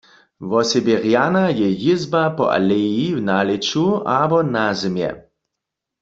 Wosebje rjana je jězba po aleji w nalěću abo nazymje.